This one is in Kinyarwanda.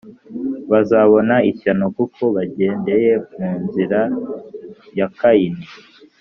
bazabona ishyano kuko bagendeye mu nzira ya kayini